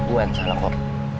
gua yang salah kok